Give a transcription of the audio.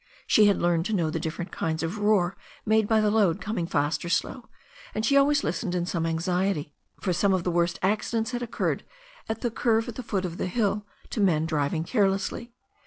She had learned to know the different kinds of roar made by the load coming fast or slow, and she always listened in some anxiety, for some of the worst accidents had occurred at the curve at the foot of the hill to men driving carelessly.